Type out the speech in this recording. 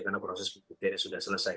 karena proses pembuktiannya sudah selesai